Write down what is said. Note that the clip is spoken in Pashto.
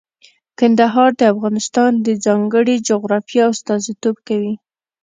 کندهار د افغانستان د ځانګړي جغرافیه استازیتوب کوي.